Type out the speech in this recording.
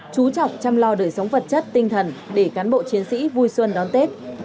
chú trọng chăm lo đời sống vật chất tinh thần để cán bộ chiến sĩ vui xuân đón tết